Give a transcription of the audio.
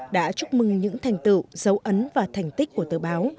đã chúc mừng những thành tựu dấu ấn và thành tích của tờ báo